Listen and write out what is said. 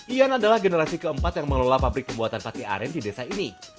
ian adalah generasi keempat yang mengelola pabrik pembuatan pati aren di desa ini